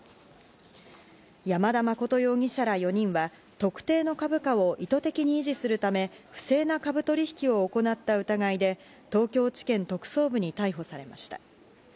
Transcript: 山田誠容疑者ら４人は特定の株価を意図的に維持するため、不正な株取引を行った疑いで、東京地検特捜部に逮捕されました。